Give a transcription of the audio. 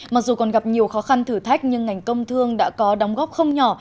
mặc dù còn gặp nhiều khó khăn thử thách nhưng ngành công thương đã có đóng góp không nhỏ